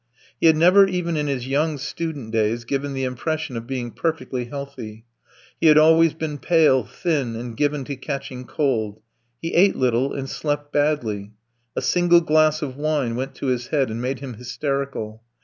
He had never even in his young student days given the impression of being perfectly healthy. He had always been pale, thin, and given to catching cold; he ate little and slept badly. A single glass of wine went to his head and made him hysterical.